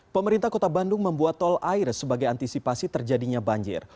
pemerintah kota bandung membuat tol air sebagai antisipasi terjadinya banjir